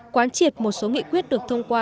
quán triệt một số nghị quyết được thông qua